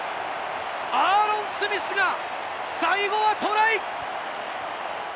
アーロン・スミスが最後はトライ！